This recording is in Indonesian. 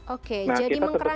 oke jadi mengkerangkeng kita dong